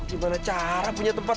gimana cara punya tempat